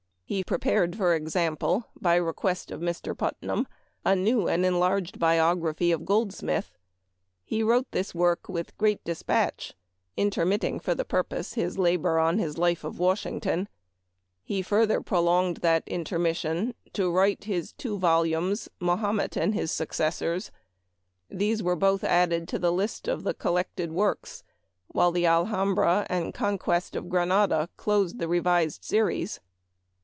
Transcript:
He prepared, for example, by request of Mr. Putnam, a new ancj enlarged Biography of Gold Memoir of Washington Irving. 281 smith. He wrote this work with great dispatch, intermitting, for the purpose, his labor on his Life of Washington. He further prolonged that intermission to write his two volumes, " Mahomet and his Successors." These were both added to the list of the collected works, while the " Alhambra" and " Conquest of Granada" closed the revised series.